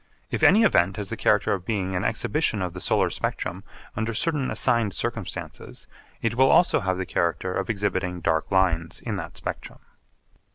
If any event has the character of being an exhibition of the solar spectrum under certain assigned circumstances, it will also have the character of exhibiting dark lines in that spectrum.